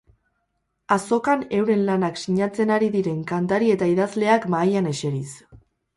Azokan euren lanak sinatzen ari diren kantari eta idazleak mahaian eseriz.